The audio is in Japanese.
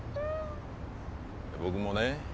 僕もね